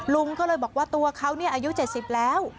ลุงก็เลยบอกว่าตัวเขาอายุ๗๐แล้ว